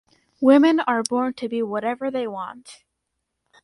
Women are born to be whatever they want.